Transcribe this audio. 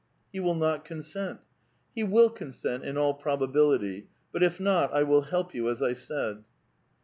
'• He will not consent." " He will consent in all probability. But if not, I will help you, as I said."